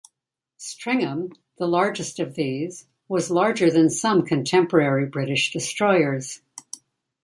"Stringham", the largest of these, was larger than some contemporary British destroyers.